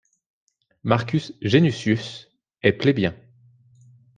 Marcus Genucius est plébéien.